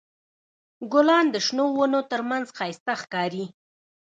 ګلان د شنو ونو تر منځ ښایسته ښکاري.